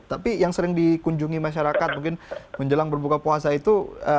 tapi yang sering dikunjungi masyarakat mungkin menjelang berbuka puasa itu